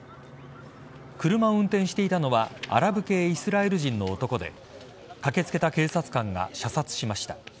車を運転していたのはアラブ系イスラエル人の男で駆けつけた警察官が射殺しました。